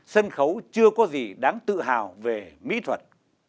sân khấu chưa có gì đáng tự hào về mỹ thuật